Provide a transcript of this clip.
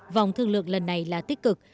vòng thương lượng lần này là tích cực